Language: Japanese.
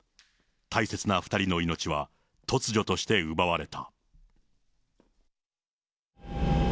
大切な２人の命は、突如として奪われた。